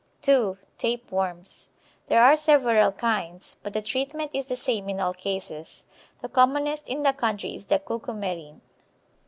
(2) Tape worms There are several kinds, but the treatment is the same in all cases. The commonest in the country is the Cucumerine.